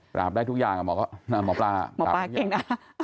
ปราบได้ทุกอย่างหมอปลาเก่งนะ